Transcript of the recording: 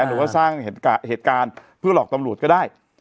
หรือว่าสร้างเหตุการณ์เพื่อหลอกตำรวจก็ได้